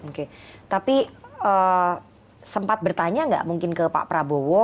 oke tapi sempat bertanya nggak mungkin ke pak prabowo